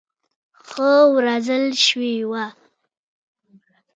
ښه روزل شوي وو.